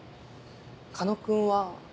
狩野君は？